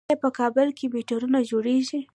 آیا په کابل کې میټرو جوړیږي؟